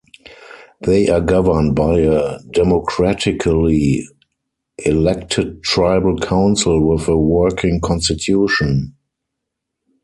They are governed by a democratically elected tribal council, with a working constitution.